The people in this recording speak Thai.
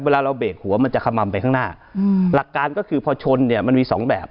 เวลาเราเบรกหัวมันจะขมัมไปข้างหน้าอืมหลักการก็คือพอชนเนี่ยมันมีสองแบบ